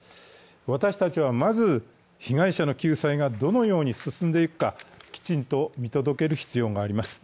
私たちはまず被害者の救済がどのように進んでいくか、きちんと見届ける必要があります。